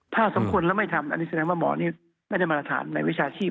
ถ้าสมควรแล้วไม่ทำอันนี้แสดงว่าหมอนี่ไม่ได้มาตรฐานในวิชาชีพ